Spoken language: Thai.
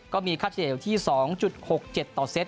ก็มีค่าเฉลี่ยอยู่ที่๒๖๗ต่อเซต